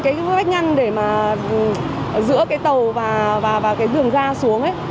cái vách ngăn để mà giữa cái tàu và cái đường ra xuống ấy